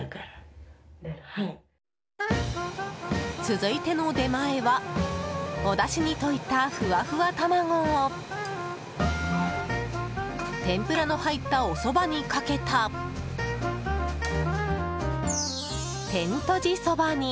続いての出前はおだしに溶いたふわふわ卵を天ぷらの入ったおそばにかけた天とじそばに。